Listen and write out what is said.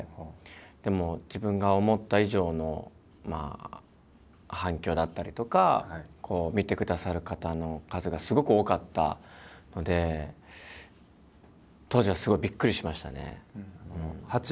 でも自分が思った以上のまあ反響だったりとか見てくださる方の数がすごく多かったので当時はすごいびっくりしましたね。